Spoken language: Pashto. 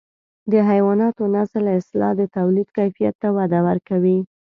د حیواناتو نسل اصلاح د توليد کیفیت ته وده ورکوي.